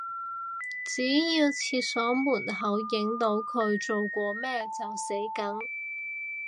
只要廁所門口影到佢做過咩就死梗